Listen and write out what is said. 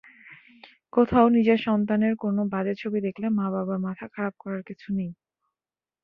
কোথাও নিজেরসন্তানের কোনো বাজে ছবি দেখলে মা–বাবার মাথা খারাপ করার কিছু নেই।